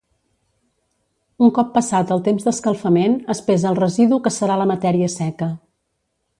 Un cop passat el temps d'escalfament es pesa el residu que serà la matèria seca.